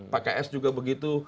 pks juga begitu